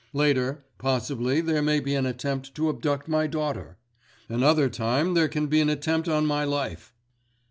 Later, possibly there may be an attempt to abduct my daughter. Another time there can be an attempt on my life."